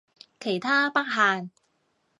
其他不限